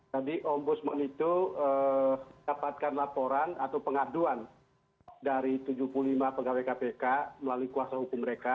tadi ombudsman itu dapatkan laporan atau pengaduan dari tujuh puluh lima pegawai kpk melalui kuasa hukum mereka